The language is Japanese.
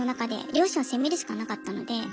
両親を責めるしかなかったので。